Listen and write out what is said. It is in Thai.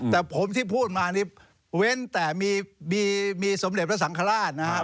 แต่ผมที่พูดมานี่เว้นแต่มีสมเด็จพระสังฆราชนะครับ